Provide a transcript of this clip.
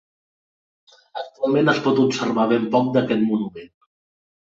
Actualment es pot observar ben poc d'aquest monument.